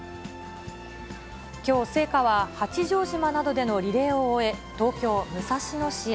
きょう、聖火は八丈島などでのリレーを終え、東京・武蔵野市へ。